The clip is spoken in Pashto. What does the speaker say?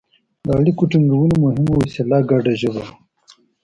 د اړیکو ټینګولو مهمه وسیله ګډه ژبه وه